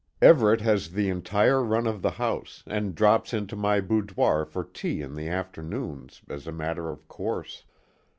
Everet has the entire run of the house, and drops into my boudoir for tea in the afternoons, as a matter of course.